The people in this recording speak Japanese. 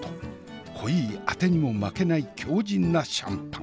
濃いあてにも負けない強じんなシャンパン。